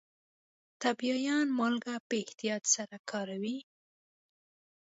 ټبیايان مالګه په احتیاط سره کاروي.